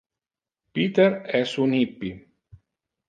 Peter es un hippie.